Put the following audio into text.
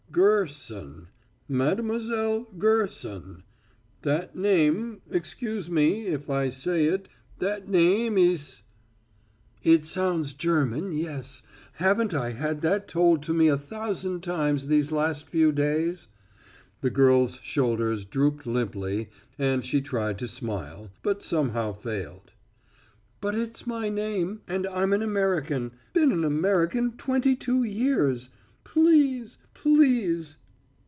"Ger son Mademoiselle Ger son. That name, excuse me, if I say it that name ees " "It sounds German; yes. Haven't I had that told me a thousand times these last few days?" The girl's shoulders drooped limply, and she tried to smile, but somehow failed. "But it's my name, and I'm an American been an American twenty two years. Please please!"